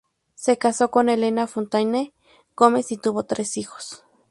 Se casó con Elena Fontaine Gómez y tuvo tres hijos.